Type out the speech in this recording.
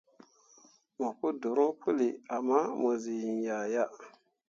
Mo pu dorõo puli ama mo zii iŋya yah.